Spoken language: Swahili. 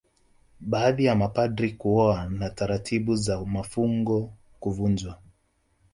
Baadhi ya mapadri kuoa na taratibu za mafungo kuvunjwa